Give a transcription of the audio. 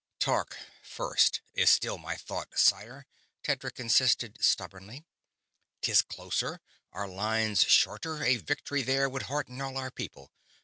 "Tark, first, is still my thought, sire," Tedric insisted, stubbornly. "'Tis closer, our lines shorter, a victory there would hearten all our people.